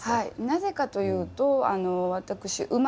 なぜかというと私がんで。